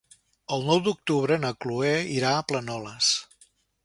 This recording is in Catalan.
El nou d'octubre na Chloé irà a Planoles.